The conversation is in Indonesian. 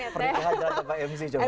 pergi ke hajar coba mc coba